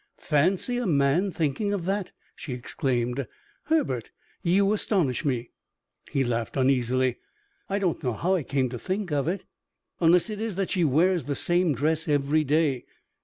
"Fancy a man thinking of that!" she exclaimed. "Herbert, you astonish me." He laughed uneasily. "I don't know how I came to think of it unless it is that she wears the same dress every day.